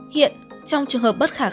hiện trong trường hợp bất khả kháng